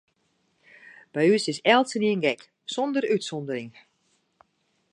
By ús is elkenien gek, sûnder útsûndering.